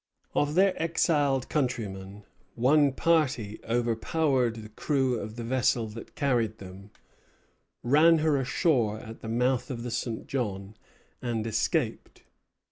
Of their exiled countrymen, one party overpowered the crew of the vessel that carried them, ran her ashore at the mouth of the St. John, and escaped.